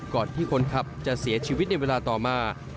ก่อนที่คนขับจะเสียชีวิตในเวลาต่อมา